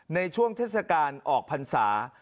ในช่วงเทศกาลออกพรรษา